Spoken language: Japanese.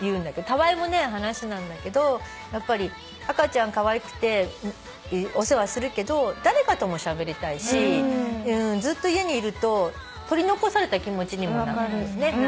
たわいもない話なんだけどやっぱり赤ちゃんかわいくてお世話するけど誰かともしゃべりたいしずっと家にいると取り残された気持ちにもなるんだって。